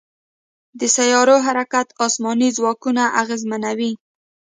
د سیارو حرکت اسماني ځواکونه اغېزمنوي.